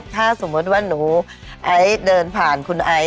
ถ้าสมมุติว่าหนูไอซ์เดินผ่านคุณไอซ